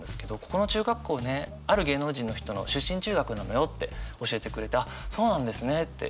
「ここの中学校ねある芸能人の人の出身中学なのよ」って教えてくれて「あっそうなんですね！」って